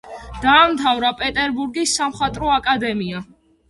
დაამთავრა პეტერბურგის სამხატვრო აკადემია.